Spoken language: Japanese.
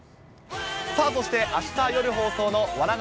さあ、そして、あした夜放送の笑